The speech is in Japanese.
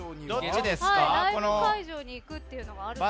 ライブ会場に行くというのがあるんです。